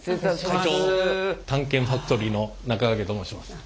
「探検ファクトリー」の中川家と申します。